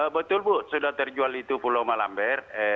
betul bu sudah terjual itu pulau malamber